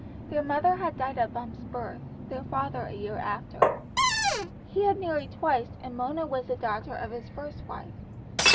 Their mother had died at Bumps' birth, their father a year after. He had married twice, and Mona was the daughter of his first wife.